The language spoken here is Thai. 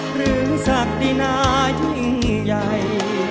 ศักดินายิ่งใหญ่